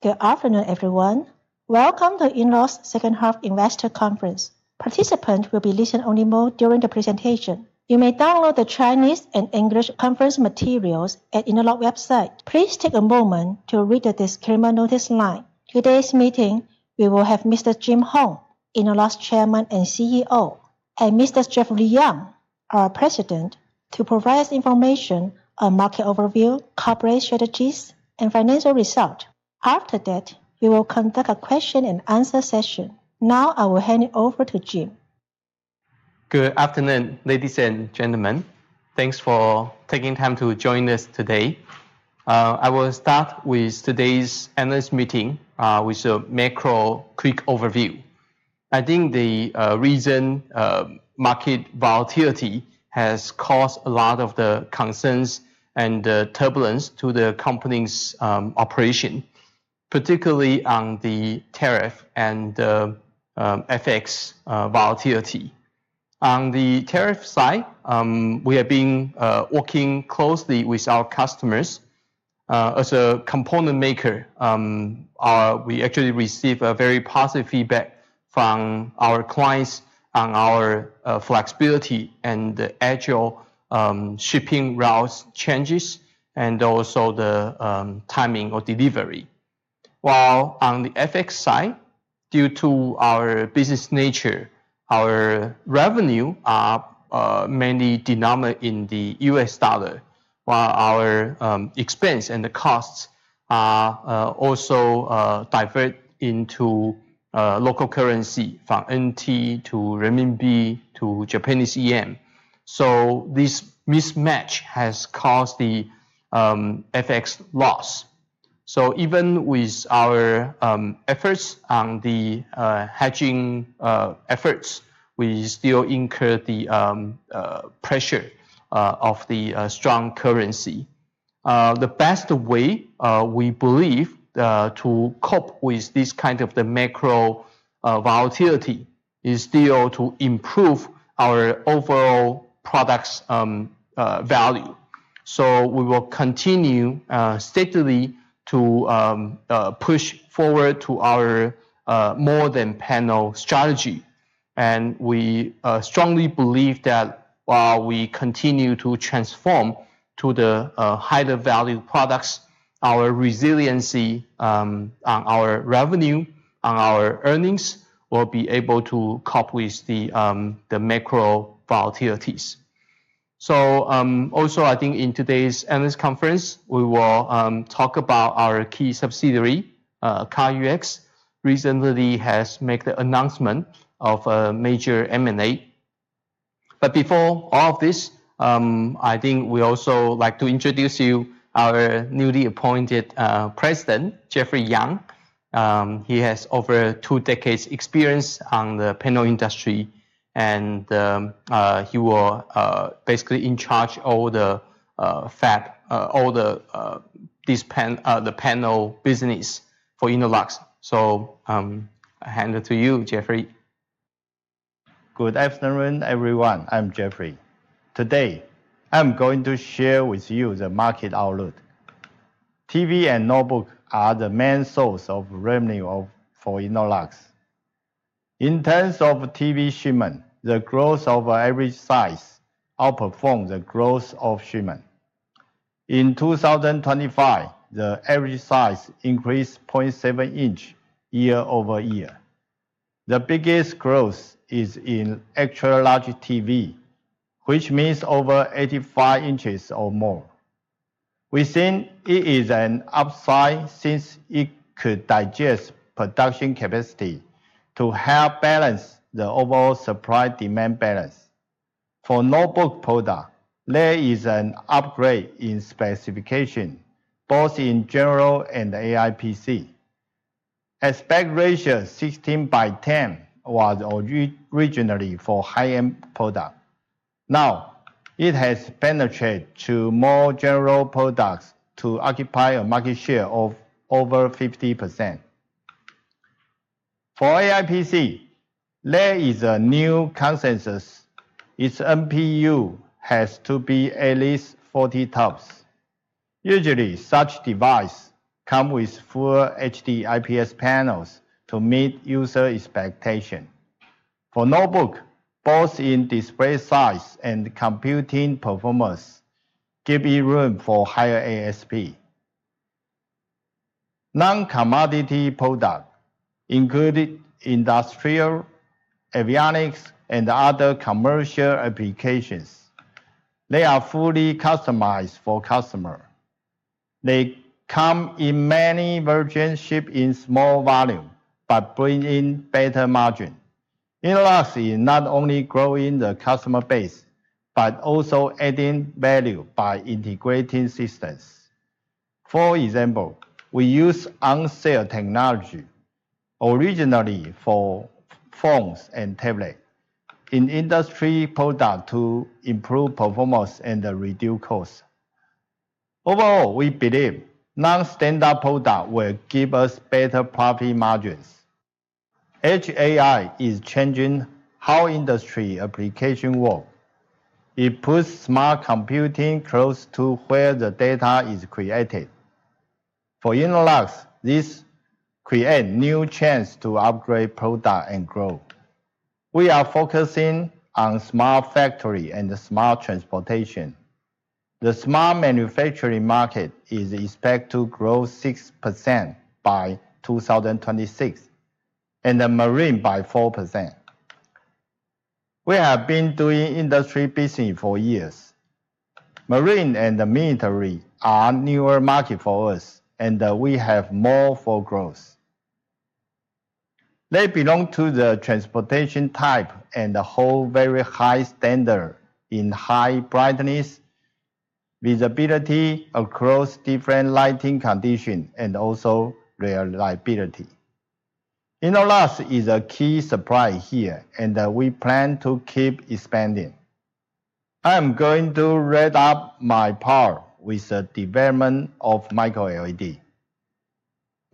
Good afternoon, everyone. Welcome to In laws Second Half Investor Conference. Participants will be listen only mode during the presentation. You may download the Chinese and English conference materials at InnoLog website. Please take a moment to read the disclaimer notice line. Today's meeting, we will have Mr Jim Hong, InnoLog's Chairman and CEO and Mr Jeffrey Young, our President to provide us information on market overview, corporate strategies and financial result. After that, we will conduct a question and answer session. Now I will hand it over to Jim. Good afternoon, ladies and gentlemen. Thanks for taking time to join us today. I will start with today's analyst meeting with a macro quick overview. I think the reason market volatility has caused a lot of the concerns and turbulence to the company's operation, particularly on the tariff and FX volatility. On the tariff side, we have been working closely with our customers. As a component maker, we actually receive a very positive feedback from our clients on our flexibility and the actual shipping routes changes and also the timing of delivery. While on the FX side, due to our business nature, our revenue are mainly denominated in The US Dollar, while our expense and the costs are also divert into local currency from NT to renminbi to Japanese yen. So this mismatch has caused the FX loss. So even with our efforts on the hedging efforts, we still incur the pressure of the strong currency. The best way we believe to cope with this kind of the macro volatility is still to improve our overall products value. So we will continue steadily to push forward to our more than panel strategy. And we strongly believe that while we continue to transform to the higher value products, our resiliency on our revenue, on our earnings will be able to cope with the the macro volatilities. So, also, I think in today's analyst conference, we will talk about our key subsidiary, CarUX, recently has made the announcement of a major m and a. But before all of this, I think we also like to introduce you our newly appointed president, Jeffrey Yang. He has over two decades experience on the panel industry, and he will basically in charge all the fab all the this pan the panel business for Interlux. So I hand it to you, Jeffrey. Good afternoon, everyone. I'm Jeffrey. Today, I'm going to share with you the market outlook. TV and notebook are the main source of revenue of for InnoLux. In terms of TV shipment, the growth of average size outperformed the growth of shipment. In 02/2025, the average size increased point seven inch year over year. The biggest growth is in extra large TV, which means over 85 inches or more. We think it is an upside since it could digest production capacity to help balance the overall supply demand balance. For notebook product, there is an upgrade in specification both in general and AIPC. Expect ratio sixteen ten was originally for high end product. Now it has penetrated to more general products to occupy a market share of over 50%. For AIPC, there is a new consensus. Its MPU has to be at least 40 TUPS. Usually, such device come with full HD IPS panels to meet user expectation. For notebook, both in display size and computing performance give you room for higher ASP. Non commodity product including industrial avionics and other commercial applications they are fully customized for customer. They come in many versions shipped in small volume but bring in better margin. Inelux is not only growing the customer base but also adding value by integrating systems. For example, we use unsell technology originally for phones and tablet in industry product to improve performance and reduce cost. Overall, we believe non standard product will give us better profit margins. H AI is changing how industry applications work. It puts smart computing close to where the data is created. For InnoLogs, this create new chance to upgrade product and grow. We are focusing on smart factory and smart transportation. The smart manufacturing market is expected to grow six percent by 2026 and marine by 4%. We have been doing industry business for years. Marine and military are newer market for us and we have more for growth. They belong to the transportation type and the whole very high standard in high brightness, visibility across different lighting condition, and also reliability. InnoLast is a key supply here, and we plan to keep expanding. I'm going to wrap up my part with the development of microLED.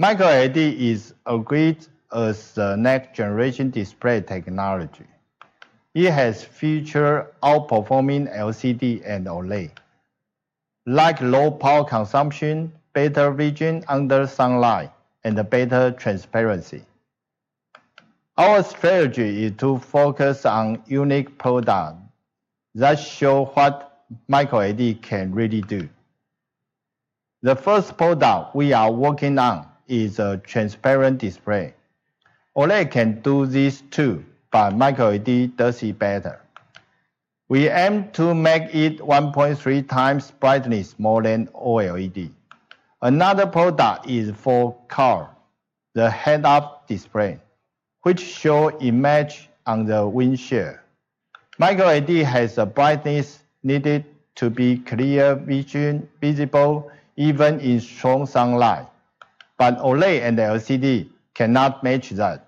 MicroLED is agreed as the next generation display technology. It has feature outperforming LCD and OLED, like low power consumption, better vision under sunlight, and better transparency. Our strategy is to focus on unique product that show what micro LED can really do. The first product we are working on is a transparent display. OLED can do this too, but micro LED does it better. We aim to make it 1.3 times brightly smaller than OLED. Another product is for car, the head up display, which show image on the windshield. MicroLED has a brightness needed to be clear vision visible even in strong sunlight, but OLED and LCD cannot match that.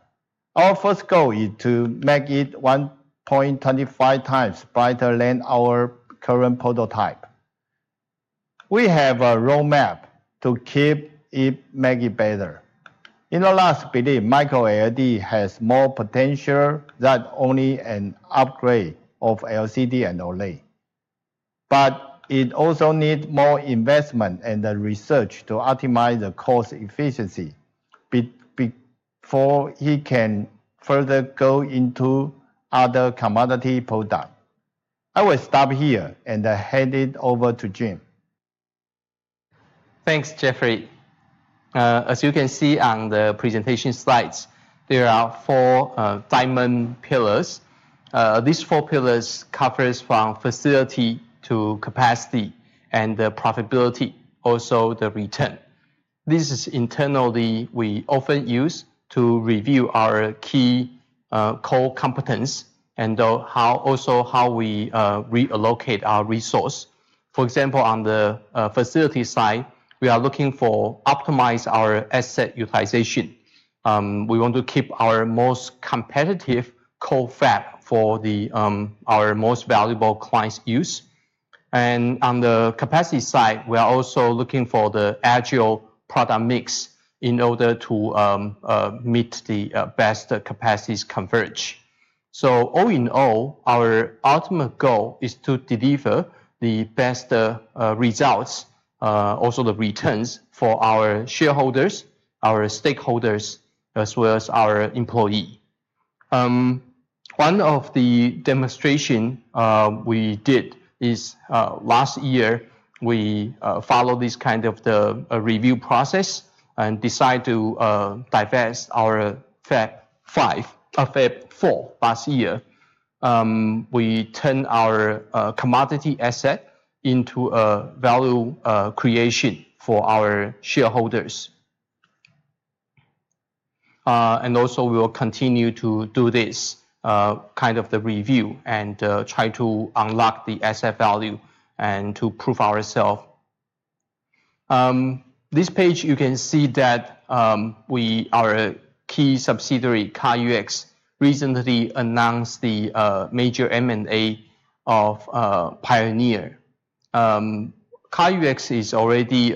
Our first goal is to make it 1.25 times brighter than our current prototype. We have a road map to keep it make it better. In the last belief, micro LED has more potential than only an upgrade of LCD and OLED. But it also need more investment and research to optimize the cost efficiency be before it can further go into other commodity product. I will stop here and hand it over to Jim. Thanks, Jeffrey. As you can see on the presentation slides, there are four diamond pillars. These four pillars covers from facility to capacity and the profitability, also the return. This is internally we often use to review our key core competence and how also how we reallocate our resource. For example, on the facility side, we are looking for optimize our asset utilization. We want to keep our most competitive co fab for the our most valuable clients use. And on the capacity side, we are also looking for the agile product mix in order to meet the best capacities converge. So all in all, our ultimate goal is to deliver the best results, also the returns for our shareholders, our stakeholders, as well as our employee. One of the demonstration we did is last year, we follow this kind of the review process and decide to divest our Feb five Feb four last year. We turn our commodity asset into a value creation for our shareholders. And, also, we will continue to do this kind of the review and try to unlock the asset value and to prove ourself. This page, you can see that we our key subsidiary, UX, recently announced the major m and a of Pioneer. CarUX is already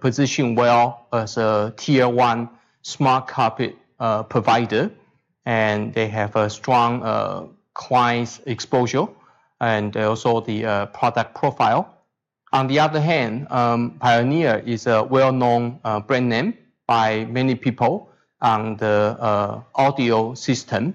positioned well as a tier one smart carpet provider, and they have a strong client's exposure and also the product profile. On the other hand, Pioneer is a well known brand name by many people on the audio system.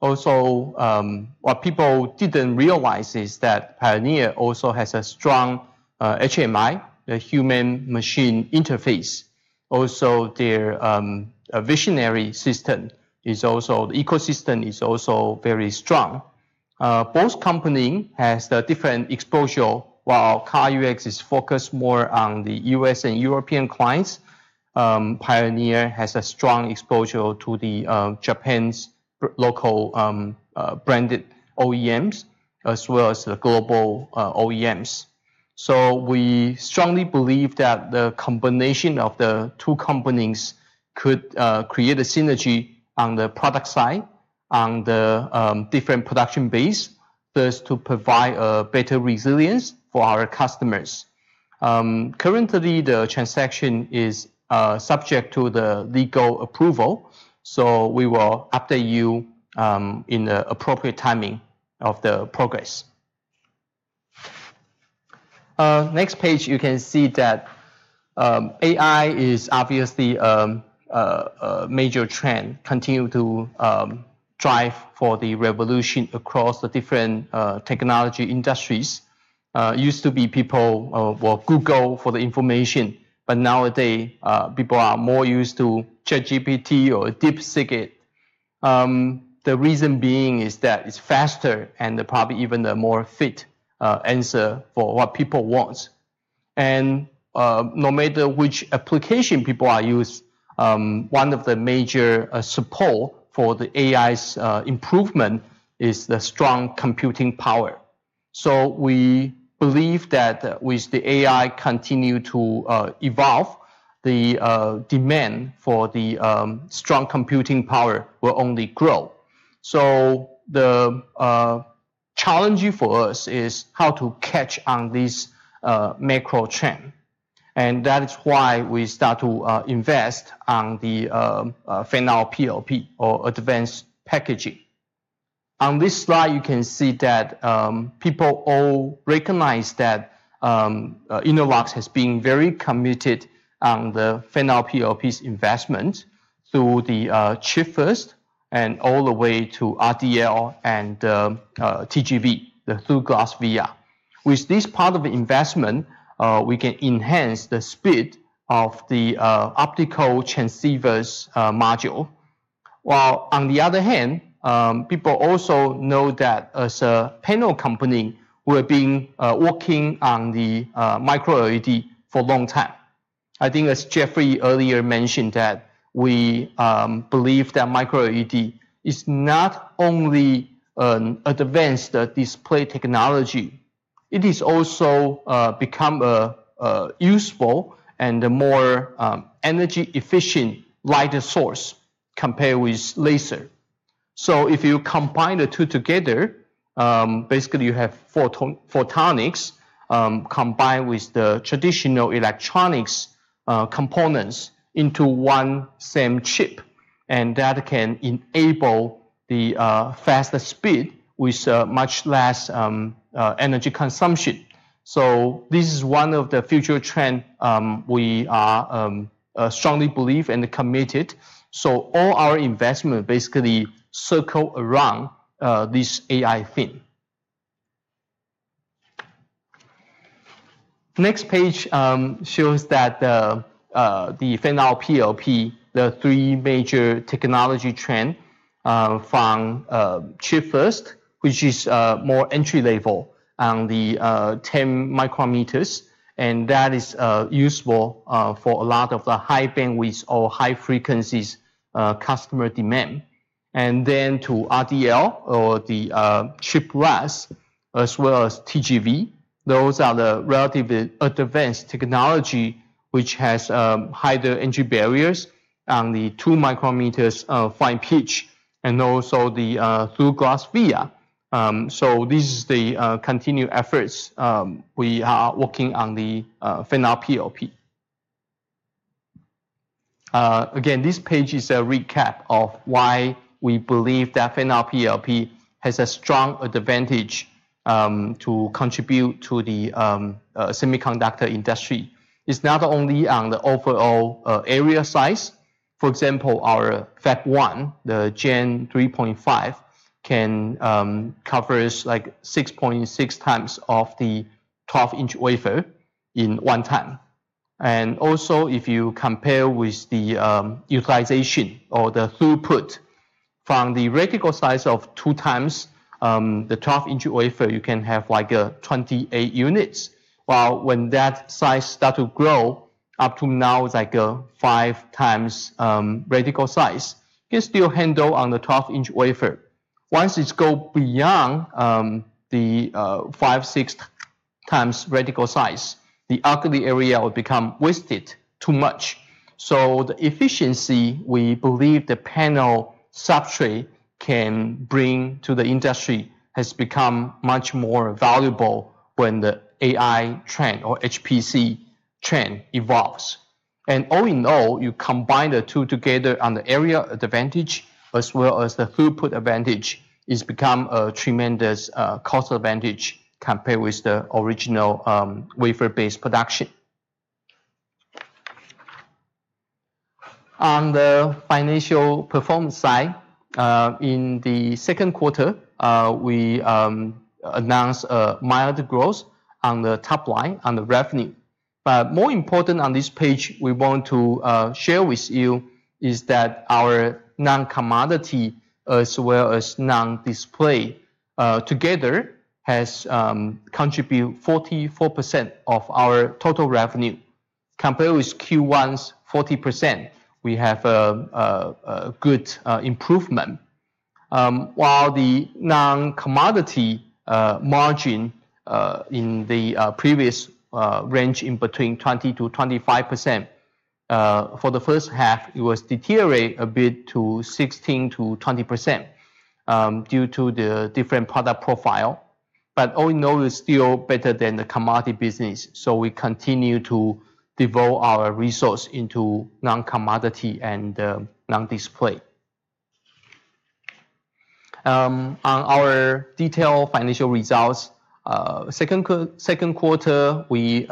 Also, what people didn't realize is that Pioneer also has a strong HMI, the human machine interface. Also, their visionary system is also the ecosystem is also very strong. Both company has the different exposure, while CarUX is focused more on The US and European clients. Pioneer has a strong exposure to the Japan's local branded OEMs as well as the global OEMs. So we strongly believe that the combination of the two companies could create a synergy on the product side on the different production base, thus to provide a better resilience for our customers. Currently, the transaction is subject to the legal approval, so we will update you in the appropriate timing of the progress. Next page, you can see that AI is obviously a major trend, continue to drive for the revolution across the different technology industries. Used to be people well, Google for the information, but nowadays, people are more used to JGPT or DIPsicket. The reason being is that it's faster and probably even the more fit answer for what people want. And no matter which application people are use, one of the major support for the AI's improvement is the strong computing power. So we believe that with the AI continue to evolve, the demand for the strong computing power will only grow. So the challenge for us is how to catch on this macro trend, and that is why we start to invest on the Fan Out POP or advanced packaging. On this slide, you can see that people all recognize that InnoVox has been very committed on the phenol PLP's investment through the chip first and all the way to RDL and TGV, the through glass VR. With this part of the investment, we can enhance the speed of the optical transceiver's module. While on the other hand, people also know that as a panel company, we have been working on the micro LED for long time. I think as Jeffrey earlier mentioned that we believe that micro LED is not only an advanced display technology. It is also become a useful and more energy efficient light source compared with laser. So if you combine the two together, basically, you have photon photonics combined with the traditional electronics components into one same chip, and that can enable the faster speed with much less energy consumption. So this is one of the future trend we are strongly believe and committed. So all our investment basically circle around this AI thing. Next page shows that the Fan Out PLP, the three major technology trend from chip first, which is more entry level on the 10 micrometers, and that is useful for a lot of the high bandwidth or high frequencies customer demand. And then to RDL or the chip RAS as well as TGV, Those are the relatively advanced technology which has higher energy barriers on the two micrometers fine pitch and also the through glass via. So this is the continued efforts we are working on the PLP. Again, this page is a recap of why we believe that phenol PLP has a strong advantage to contribute to the semiconductor industry. It's not only on the overall area size. For example, our fab one, the gen 3.5 can covers, like, 6.6 times of the 12 inch wafer in one time. And, also, if you compare with the utilization or the throughput From the reticle size of two times, the 12 inch wafer, you can have, like, 28 units. While when that size start to grow up to now, it's like a five times reticle size, you can still handle on the 12 inch wafer. Once it's go beyond the five six times radical size, the ugly area will become wasted too much. So the efficiency we believe the panel substrate can bring to the industry has become much more valuable when the AI trend or HPC trend evolves. And all in all, you combine the two together on the area advantage as well as the throughput advantage is become a tremendous cost advantage compared with the original wafer based production. On the financial performance side, in the second quarter, we announced a mild growth on the top line and the revenue. But more important on this page, we want to share with you is that our noncommodity as well as nondisplay together has contribute 44% of our total revenue Compared with q one's 40%, we have a good improvement. While the non commodity margin in the previous range in between 20 to 25 For the first half, it was deteriorate a bit to 16 to 20% due to the different product profile. But all in all, it's still better than the commodity business, so we continue to devote our resource into noncommodity and nondisplay. On our detailed financial results, second second quarter, we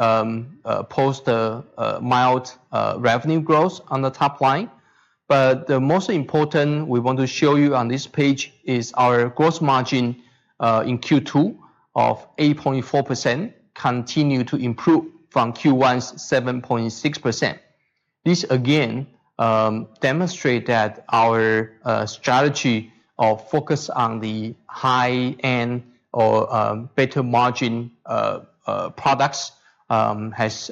post a mild revenue growth on the top line, but the most important we want to show you on this page is our gross margin in q two of 8.4% continue to improve from q one's 7.6%. This again demonstrate that our strategy of focus on the high end or better margin products has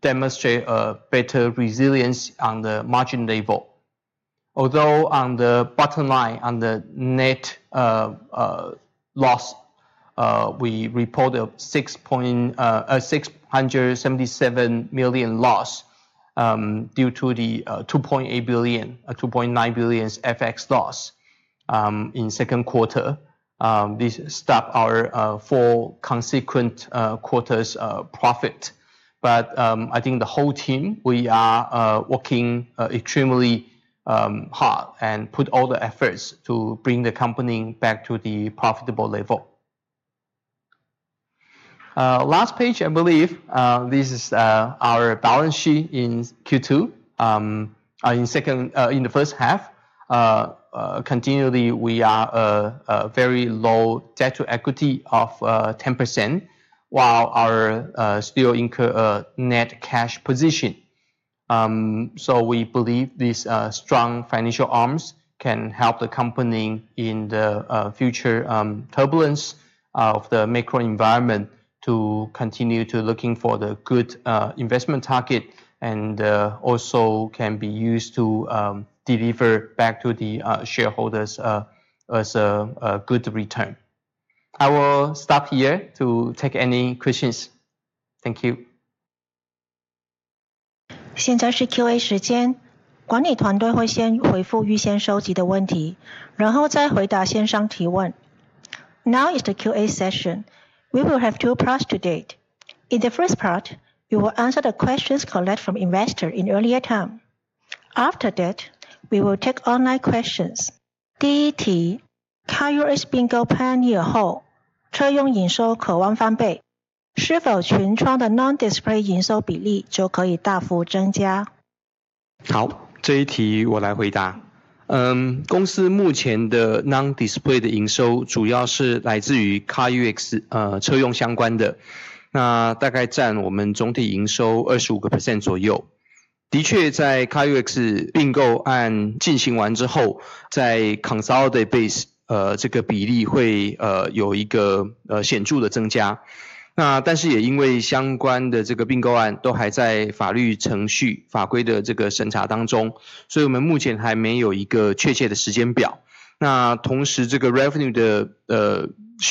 demonstrate a better resilience on the margin label. Although on the bottom line, on the net loss, we reported six point six hundred seventy seven million loss due to the 2,800,000,000.0 2.9 billion's FX loss in second quarter. This stopped our four consequent quarter's profit. But I think the whole team, we are working extremely hard and put all the efforts to bring the company back to the profitable level. Last page, I believe, this is our balance sheet in q two. In second in the first half, continually, we are a very low debt to equity of 10% while our still incur a net cash position. So we believe these strong financial arms can help the company in the future turbulence of the macro environment to continue to looking for the good investment target and also can be used to deliver back to the shareholders as a good return. I will stop here to take any questions. Thank you. Now is the q a session. We will have two parts to date. In the first part, we will answer the questions collect from investor in earlier time. After that, we will take online questions. Revenue share dynamic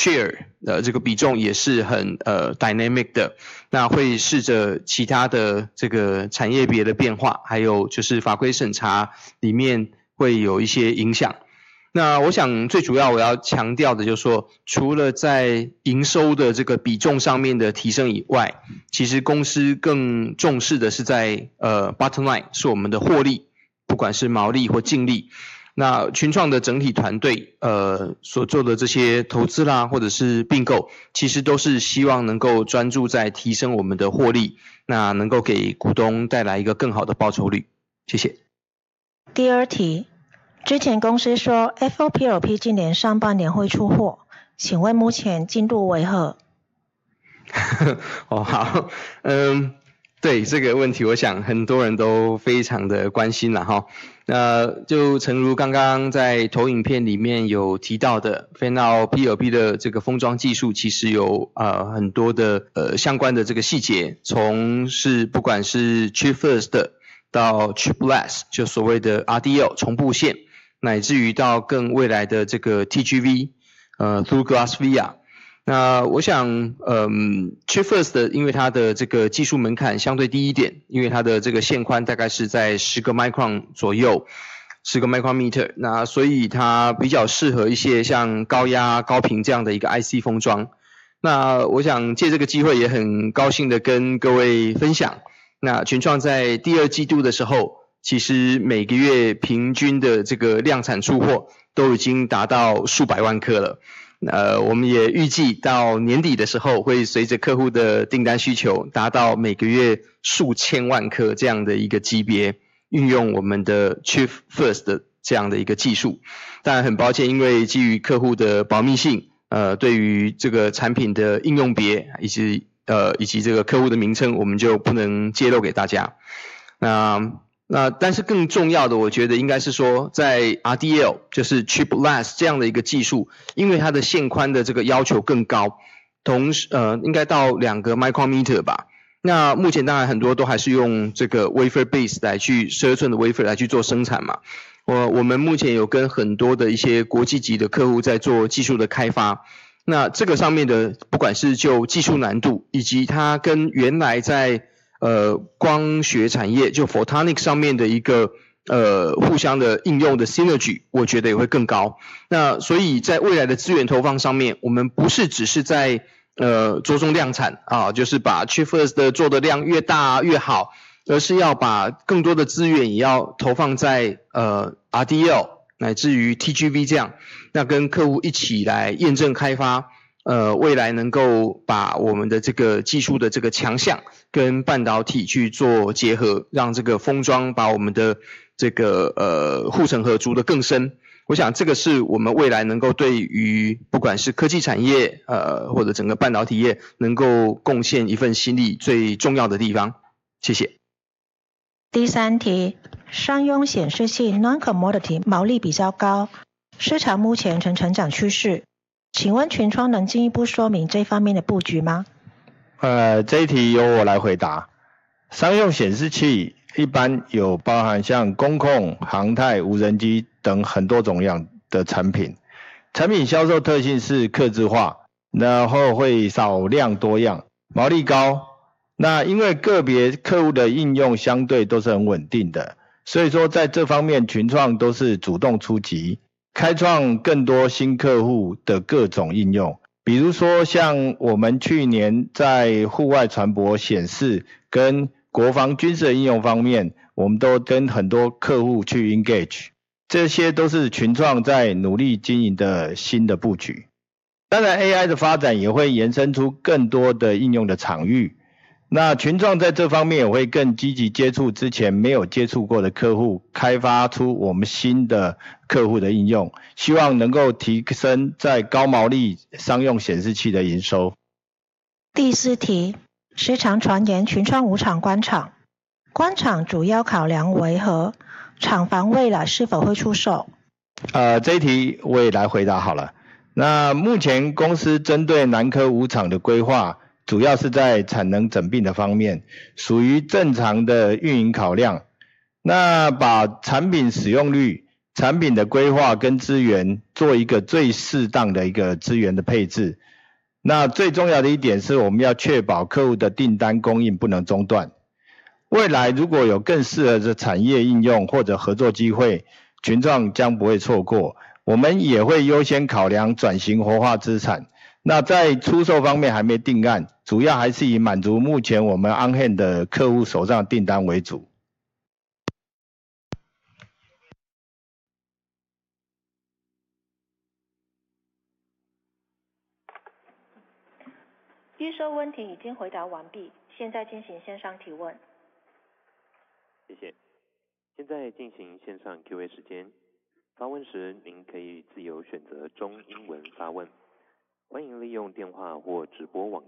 Now let's take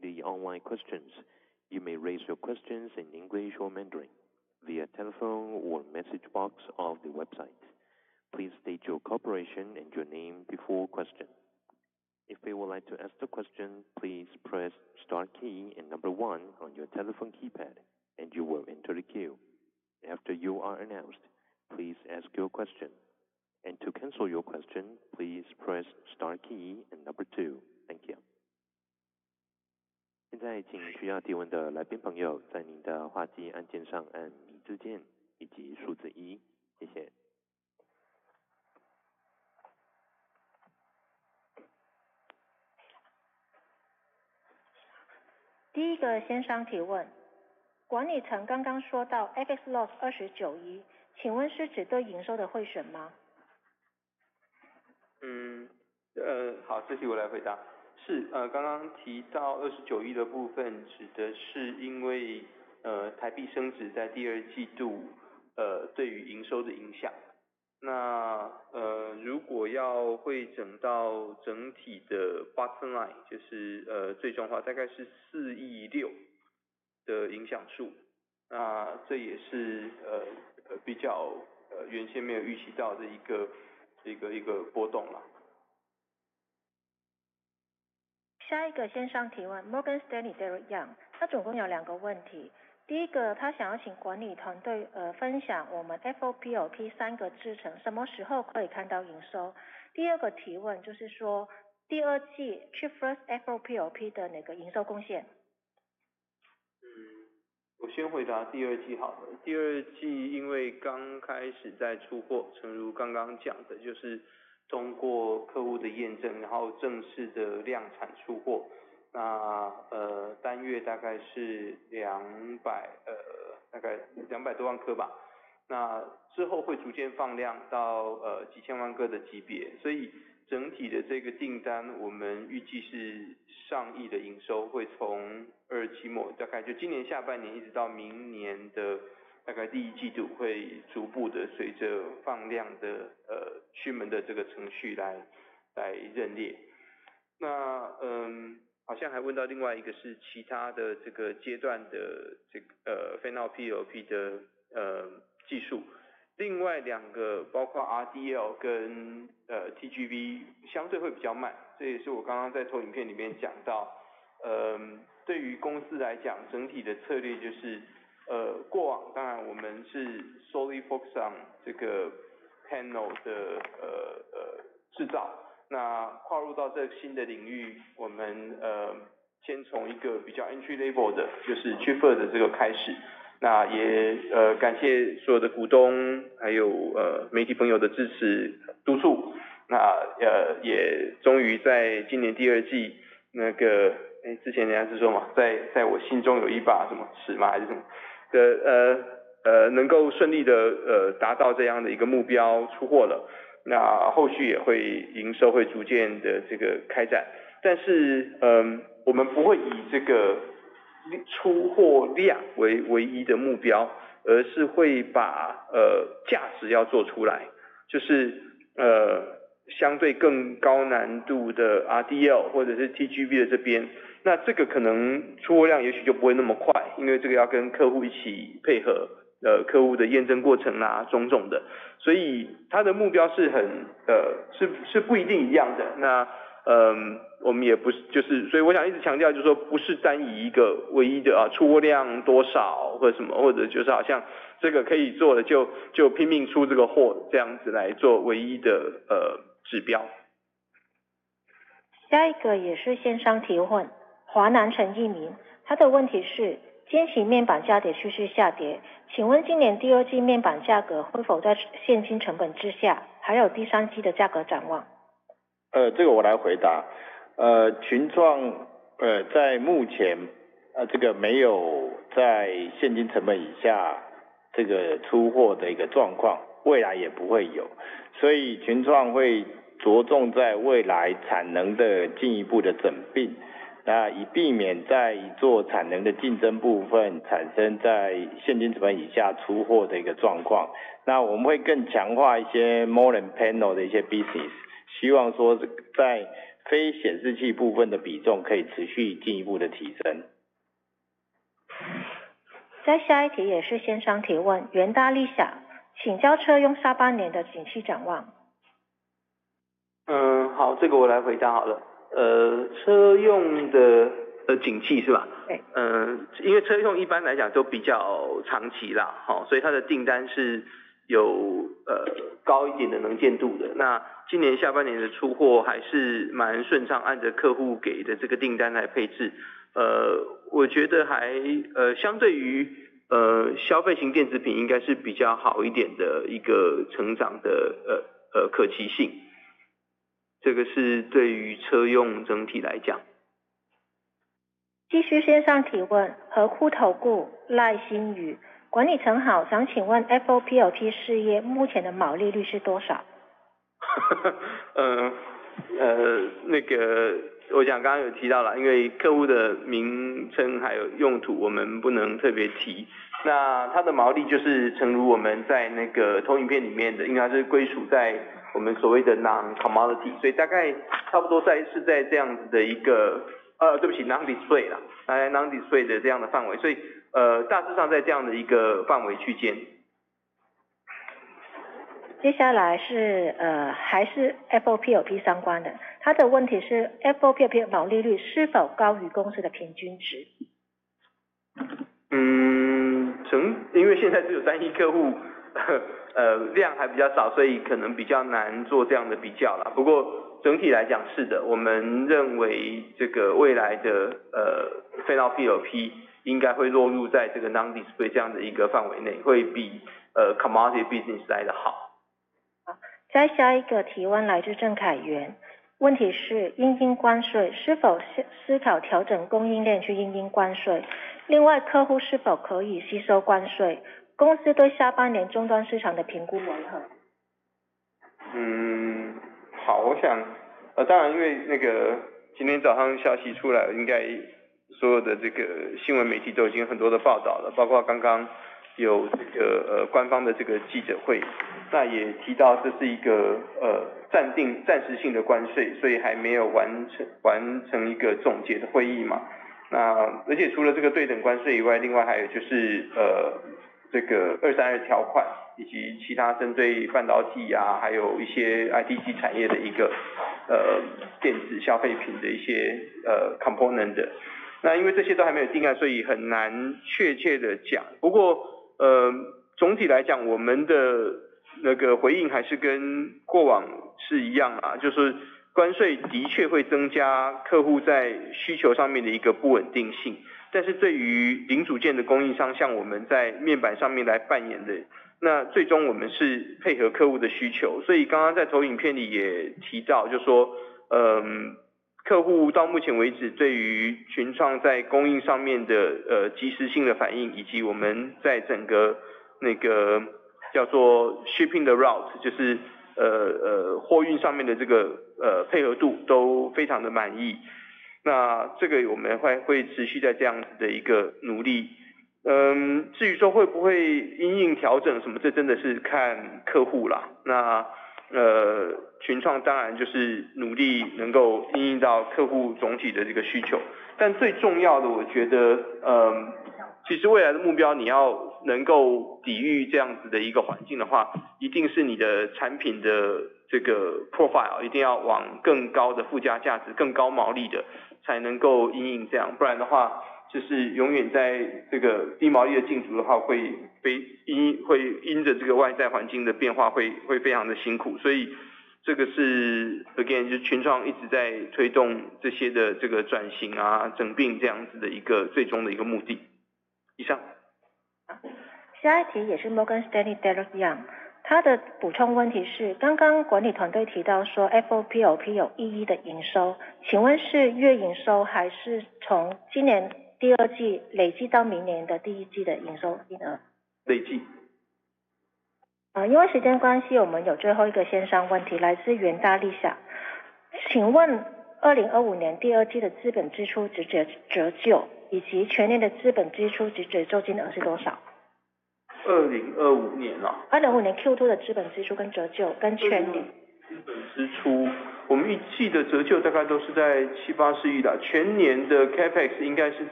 the online questions. You may raise your questions in English or Mandarin via telephone or message box of the website. Please state your cooperation and your name before question. If you would like to ask a question, please press star key and number one on your telephone keypad and you will enter the queue. After you are announced, please ask your question. And to cancel your question, please press star key and number two. Thank you.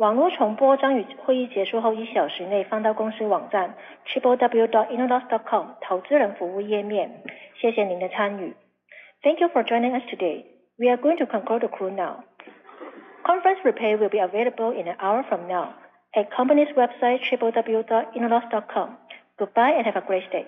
Thank you for joining us today. We are going to conclude the call now. Conference replay will be available in an hour from now at company's website, www.inelux.com. Goodbye, and have a great day.